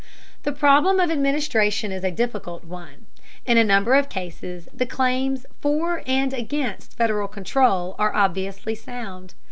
The problem of administration is a difficult one. In a number of cases the claims for and against Federal control are obviously sound.